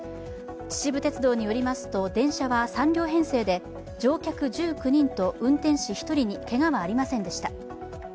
秩父鉄道によりますと、電車は３両編成で乗客１９人と運転士１人にけがはありませんでした。